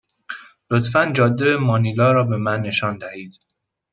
لطفا جاده به مانیلا را به من نشان دهید.